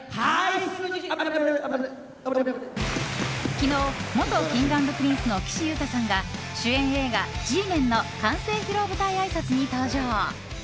昨日元Ｋｉｎｇ＆Ｐｒｉｎｃｅの岸優太さんが主演映画「Ｇメン」の完成披露舞台あいさつに登場。